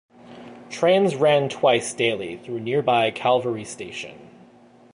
Trains ran twice daily through nearby Calvary Station.